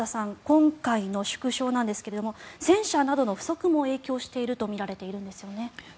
今回の縮小なんですが戦車などの不足も影響しているとみられているんですね。